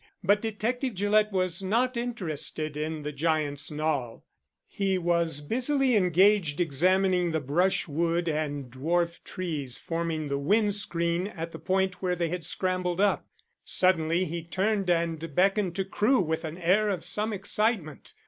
But Detective Gillett was not interested in the Giant's Knoll. He was busily engaged examining the brushwood and dwarf trees forming the wind screen at the point where they had scrambled up. Suddenly he turned and beckoned to Crewe with an air of some excitement.